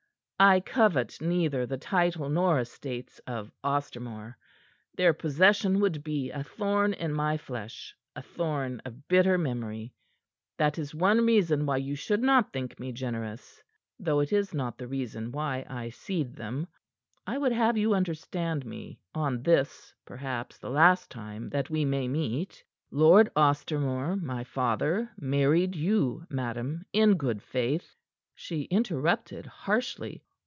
I covet neither the title nor estates of Ostermore. Their possession would be a thorn in my flesh, a thorn of bitter memory. That is one reason why you should not think me generous, though it is not the reason why I cede them. I would have you understand me on this, perhaps the last time, that we may meet. "Lord Ostermore, my father, married you, madam, in good faith." She interrupted harshly.